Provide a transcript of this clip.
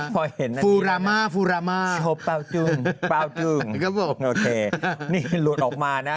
พอเห็นนั่นฟูราม่าฟูราม่าโชบเป้าจึงเป้าจึงครับผมโอเคนี่หลวนออกมานะ